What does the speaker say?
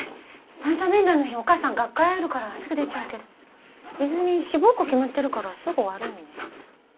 三者面談の日お母さん学会あるからすぐ出ちゃうけど泉志望校決まってるからすぐ終わるよね？